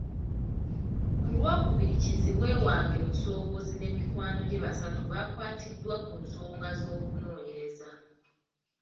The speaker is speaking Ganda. Ku Lwokubiri kizibwe wange Musobozi ne mikwano gye basatu baakwatiddwa ku nsonga z’okunoonyereza